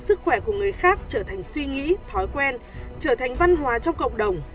sức khỏe của người khác trở thành suy nghĩ thói quen trở thành văn hóa trong cộng đồng